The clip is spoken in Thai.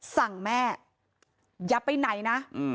สั่งแม่อย่าไปไหนนะ